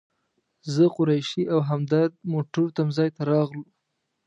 زه، قریشي او همدرد موټرو تم ځای ته راغلو.